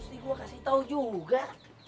mesti gua kasih tau juga